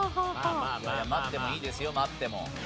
待ってもいいですよ待っても。